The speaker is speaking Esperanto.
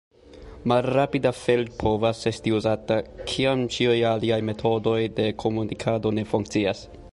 Malrapida feld povas esti uzata, kiam ĉiuj aliaj metodoj de komunikado ne funkcias.